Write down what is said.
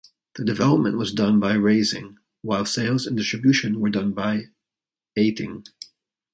The development was done by Raizing, while sales and distribution were done by Eighting.